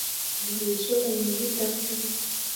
Mo ɗǝǝ soulei mai dan kǝne.